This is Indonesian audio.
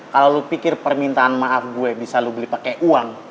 kalau lo pikir permintaan maaf gue bisa lo beli pakai uang